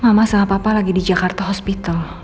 mama sama papa lagi di jakarta hospital